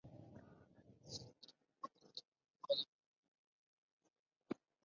Ha sufrido un importante abandono, además de múltiples destrozos y expolios.